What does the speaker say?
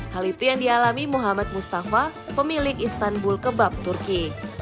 hal itu yang dialami muhammad mustafa pemilik istanbul kebab turki